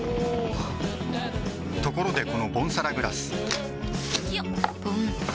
おおっところでこのボンサラグラス